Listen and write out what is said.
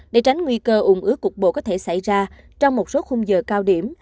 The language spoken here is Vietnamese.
để tránh nguy cơ ủng ứa cục bộ có thể xảy ra trong một số khung giờ cao điểm